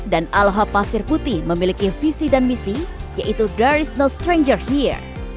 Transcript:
dan alha pasir putih memiliki visi dan misi yaitu there is no stranger here